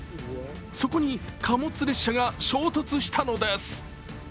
そこに貨物列車が衝突したのです。